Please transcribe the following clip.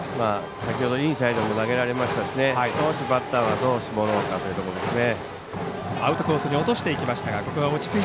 先ほどインサイドに投げられましたし少しバッターはどう絞ろうかというところですね。